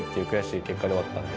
で終わったんで。